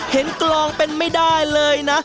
กลองเป็นไม่ได้เลยนะ